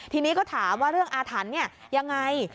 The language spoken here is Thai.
ทีนี้ก็ถามว่าเรื่องอาถรรพ์เนี่ยยังไง